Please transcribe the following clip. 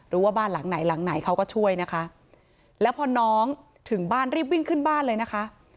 บ้านหลังไหนหลังไหนเขาก็ช่วยนะคะแล้วพอน้องถึงบ้านรีบวิ่งขึ้นบ้านเลยนะคะ